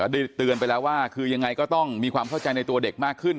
ได้เตือนไปแล้วว่าคือยังไงก็ต้องมีความเข้าใจในตัวเด็กมากขึ้น